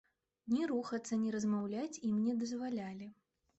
Ні рухацца, ні размаўляць ім не дазвалялі.